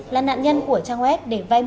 là nạn nhân của trang web